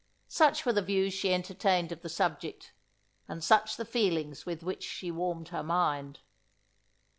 Such were the views she entertained of the subject; and such the feelings with which she warmed her mind.